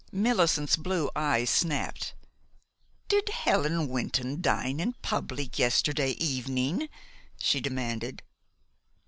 Millicent's blue eyes snapped. "Did Helen Wynton dine in public yesterday evening?" she demanded.